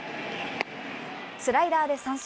スライダーで三振。